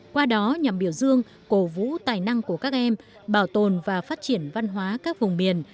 qua đó nhằm biểu dương cổ vũ tài năng của các em bảo tồn và phát triển văn hóa các vùng miền